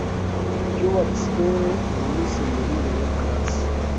cyubatswe na Musenyeri Léwo Clase